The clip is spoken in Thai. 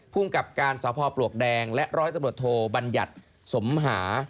ภูมิกับการสพปลวกแดงและร้อยตำรวจโทบัญญัติสมหา